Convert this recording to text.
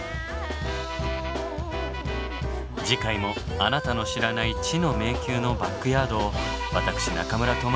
次回もあなたの知らない知の迷宮のバックヤードを私中村倫也がご案内いたします。